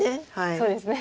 そうですね。